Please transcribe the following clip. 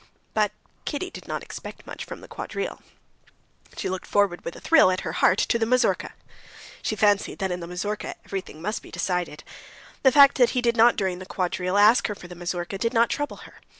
But Kitty did not expect much from the quadrille. She looked forward with a thrill at her heart to the mazurka. She fancied that in the mazurka everything must be decided. The fact that he did not during the quadrille ask her for the mazurka did not trouble her.